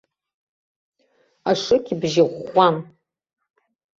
Ашыкьыбжьы ӷәӷәан.